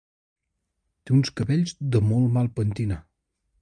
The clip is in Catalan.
Té uns cabells de molt mal pentinar.